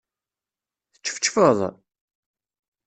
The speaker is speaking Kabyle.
Teččefčfeḍ?